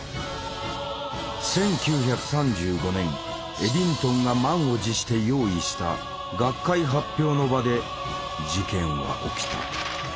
エディントンが満を持して用意した学会発表の場で「事件」は起きた。